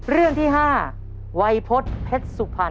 เรื่องที่๕วัยพฤษเพชรสุพรรณ